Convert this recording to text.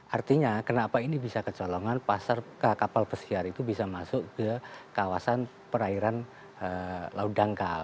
artinya kenapa ini bisa kecolongan kapal pesiar itu bisa masuk ke kawasan perairan laut dangkal